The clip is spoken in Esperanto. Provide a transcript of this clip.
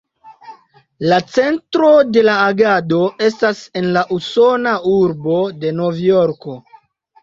La centro de la agado estas en la usona urbo de Novjorko.